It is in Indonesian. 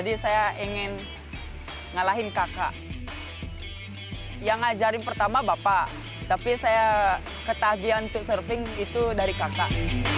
dari pertama bapak tapi saya ketahagiaan untuk surfing itu dari kakak